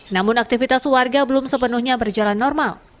namun aktivitas warga belum sepenuhnya berjalan normal